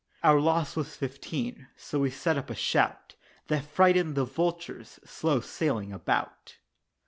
Our loss was Fifteen so we set up a shout That frightened the vultures slow sailing about.